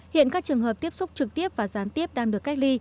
hiện các trường hợp tiếp xúc trực tiếp và gián tiếp đang được cách ly